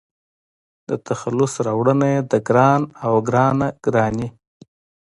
د تخلص راوړنه يې د --ګران--او --ګرانه ګراني